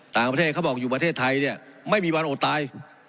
ต่างประเทศเขาบอกอยู่ประเทศไทยเนี่ยไม่มีวันอดตาย